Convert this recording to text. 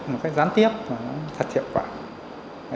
một cách gián tiếp và thật hiệu quả